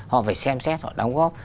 họ phải xem xét họ đóng góp